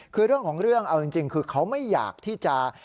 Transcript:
คือเรื่องของเรื่องเอาจริงคือเขาไม่อยากที่จะ